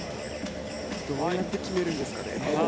どうやって決めるんですかね。